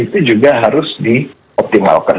itu juga harus dioptimalkan